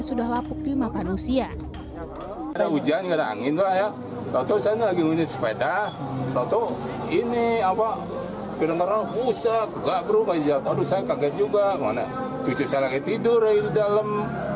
sudah lapuk di mapan usia hujan angin lagi sepeda ini apa tidak berubah juga tidur dalam